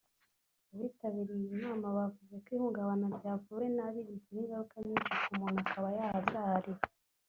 Abitabiriye iyi nama bavuze ko ihungabana ryavuwe nabi rigira ingaruka nyinshi ku muntu akaba yahazaharira